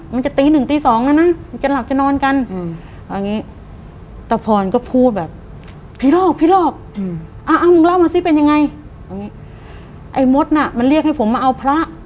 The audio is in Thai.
มันจะตีหนึ่งตีสองแล้วนะเงี่ยก้านหลักจะนอนกัน